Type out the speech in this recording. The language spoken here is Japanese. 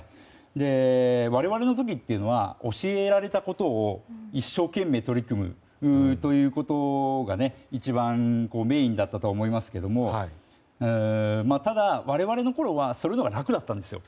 我々の時というのは教えられたことを一生懸命取り組むということが一番メインだったと思いますけどもただ、我々のころはそのほうが楽だったんですよ。